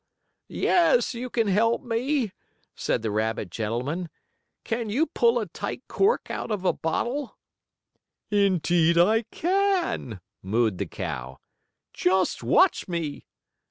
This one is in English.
"Yes, you can help me," said the rabbit gentleman. "Can you pull a tight cork out of a bottle?" "Indeed I can!" mooed the cow. "Just watch me!"